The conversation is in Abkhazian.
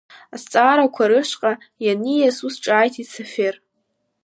Азҵаарақәа рышҟа ианиас, ус ҿааиҭит Сафер.